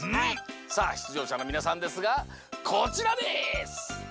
さあしゅつじょうしゃのみなさんですがこちらです！